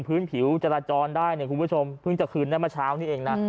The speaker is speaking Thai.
พื้นผิวจราจรได้เนี่ยคุณผู้ชมเพิ่งจะคืนได้เมื่อเช้านี้เองนะ